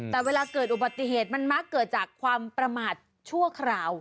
แต่เวลาเกิดอุบัติเหตุมันมักเกิดจากความประมาทชั่วคราว